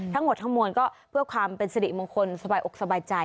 ทั้งหมดทั้งมวลก็เพื่อความเป็นสิริมงคลสบายอกสบายใจ